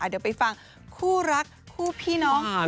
เดี๋ยวไปฟังคู่รักคู่พี่น้อง